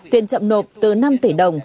tiền chậm nộp từ năm tỷ đồng